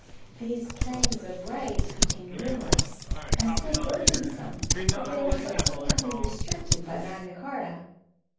These claims of right became numerous and so burdensome that they were subsequently restricted by Magna Charta.